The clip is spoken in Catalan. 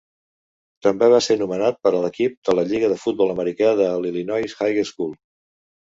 També va ser nomenat per a l'equip de la lliga de futbol americà de l'Illinois High School.